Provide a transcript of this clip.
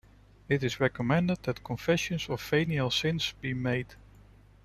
It is recommended that confession of venial sins be made.